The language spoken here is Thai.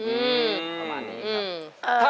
ประมาณนี้ครับ